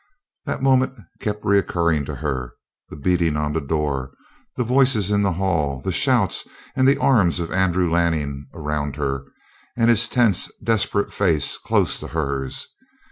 That moment kept recurring to her the beating on the door, the voices in the hall, the shouts, and the arms of Andrew Lanning around her, and his tense, desperate face close to hers.